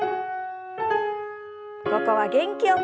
ここは元気よく。